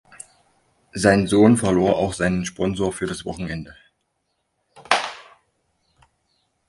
Sein Sohn verlor auch seinen Sponsor für das Wochenende.